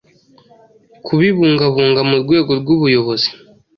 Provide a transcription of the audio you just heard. ku bibungabunga mu rwego rw’ubuyobozi.